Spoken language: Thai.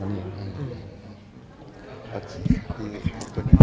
ครับผม